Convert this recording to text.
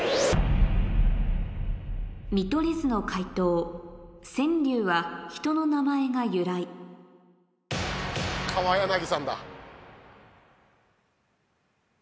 見取り図の解答川柳は人の名前が由来川柳さんだ。